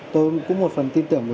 tôi cũng một phần tin tưởng